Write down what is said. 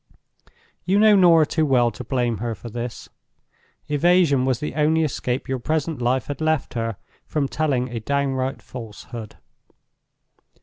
You know Norah too well to blame her for this. Evasion was the only escape your present life had left her, from telling a downright falsehood.